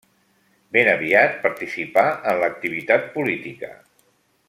Ben aviat participà en l'activitat política.